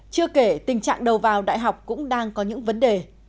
chưa kể tình trạng đầu vào đại học cũng đang có những vấn đề